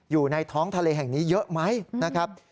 อยู่ในท้องทะเลแห่งนี้เยอะไหมนะครับ